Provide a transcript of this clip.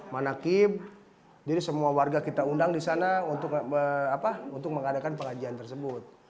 manakib jadi semua warga kita undang di sana untuk mengadakan pengajian tersebut